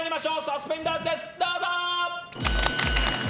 サスペンダーズです、どうぞ！